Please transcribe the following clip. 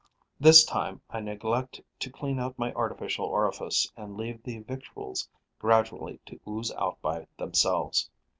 This time, I neglect to clean out my artificial orifice and leave the victuals gradually to ooze out by themselves.